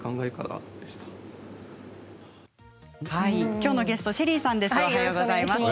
きょうのゲストＳＨＥＬＬＹさんです。